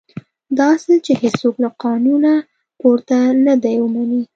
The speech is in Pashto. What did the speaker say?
دا اصل چې هېڅوک له قانونه پورته نه دی ومني.